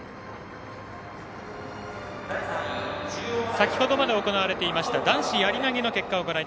先ほどまで行われていました男子やり投げの結果です。